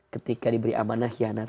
ketika diberi amanah hianat